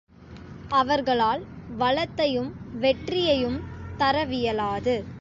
அவர்களால் வளத்தையும் வெற்றியையும் தரவியலாது.